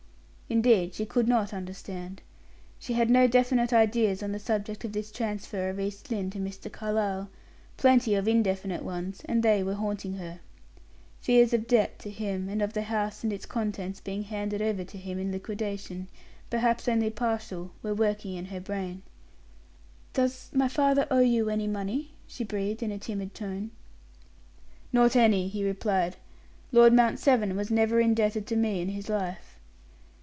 Indeed, she could not understand. She had no definite ideas on the subject of this transfer of East Lynne to Mr. Carlyle; plenty of indefinite ones, and they were haunting her. Fears of debt to him, and of the house and its contents being handed over to him in liquidation, perhaps only partial, were working in her brain. "Does my father owe you any money?" she breathed in a timid tone. "Not any," he replied. "Lord Mount Severn was never indebted to me in his life."